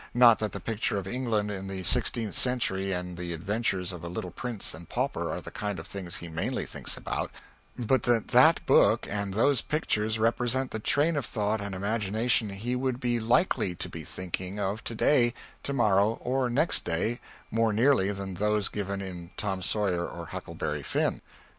Not that the pictures of England in the 16th Century and the adventures of a little prince and pauper are the kind of things he mainly thinks about; but that that book, and those pictures represent the train of thought and imagination he would be likely to be thinking of to day, to morrow, or next day, more nearly than those given in "Tom Sawyer" or "Huckleberry Finn."